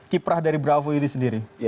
kiprah dari bravo ini sendiri